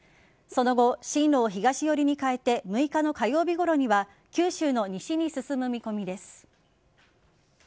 その後、進路を東寄りに変えて６日の火曜日頃には九州の西に進む見込みです。